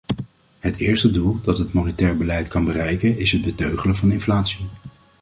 Het eerste doel dat het monetair beleid kan bereiken is het beteugelen van inflatie.